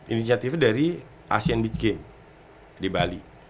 inisiatifnya dari asean beach game di bali